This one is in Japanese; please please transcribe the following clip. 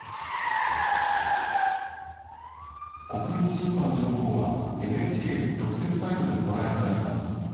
国民審査の情報は、ＮＨＫの特設サイトでもご覧いただけます。